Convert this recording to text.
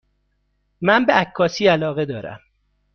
من به عکاسی علاقه دارم.